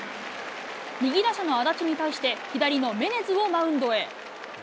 右打者の安達に対して、左のメネズをマウンドへ。